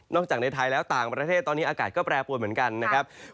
จากในไทยแล้วต่างประเทศตอนนี้อากาศก็แปรปวนเหมือนกันนะครับ